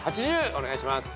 お願いします。